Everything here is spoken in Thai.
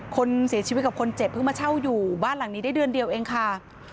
คนเสียชีวิตกับคนเจ็บเพิ่งมาเช่าอยู่บ้านหลังนี้ได้เดือนเดียวเองค่ะ